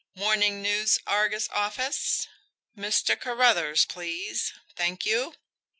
"MORNING NEWS ARGUS office? Mr. Carruthers, please. Thank you."